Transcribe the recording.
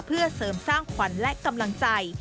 เพื่อเสริมสร้างขวัญและกำลังใจ